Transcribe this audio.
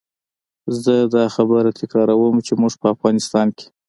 زه دا خبره تکراروم چې موږ په افغانستان کې.